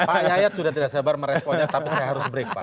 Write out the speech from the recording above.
pak yayat sudah tidak sabar meresponnya tapi saya harus break pak